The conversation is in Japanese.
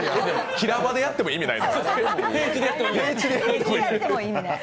平場でやっても意味ない。